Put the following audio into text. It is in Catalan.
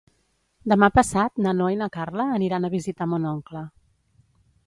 Demà passat na Noa i na Carla aniran a visitar mon oncle.